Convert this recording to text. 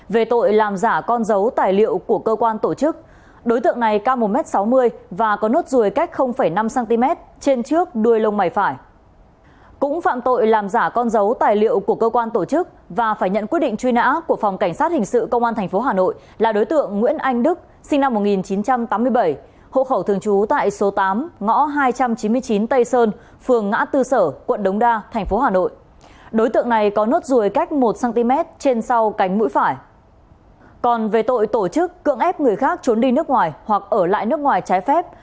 về tội tổ chức cưỡng ép người khác trốn đi nước ngoài hoặc ở lại nước ngoài trái phép